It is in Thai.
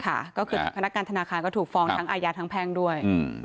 ก็คือพนักงานธนาคารก็ถูกฟ้องทั้งอาญาทั้งแพ่งด้วย